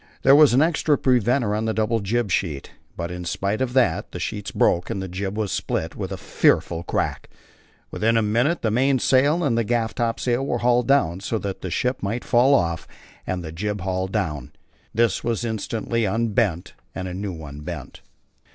There was an extra preventer on the double jib sheet, but in spite of that the sheets broke and the jib was split with a fearful crack. Within a minute the mainsail and gaff topsail were hauled down, so that the ship might fall off, and the jib hauled down. This was instantly unbent and a new one bent.